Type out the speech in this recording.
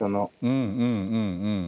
うんうんうんうん。